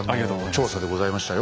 調査でございましたよ。